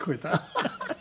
ハハハハ。